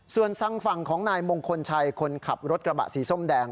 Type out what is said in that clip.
ส่วนทางฝั่งของนายมงคลชัยคนขับรถกระบะสีส้มแดง